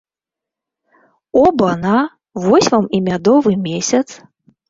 Оба-на, вось вам і мядовы месяц!